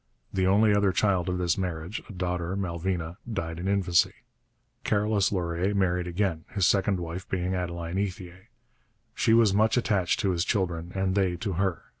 The only other child of this marriage, a daughter, Malvina, died in infancy. Carolus Laurier married again, his second wife being Adeline Ethier. She was much attached to his children and they to her.